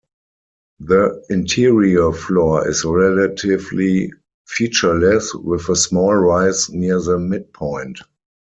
The interior floor is relatively featureless, with a small rise near the midpoint.